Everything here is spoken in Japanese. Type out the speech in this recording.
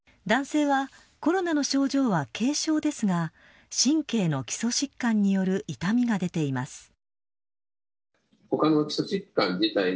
男性はコロナの症状は軽症ですが神経の基礎疾患による痛みが出ています。